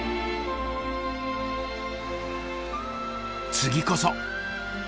次こそ。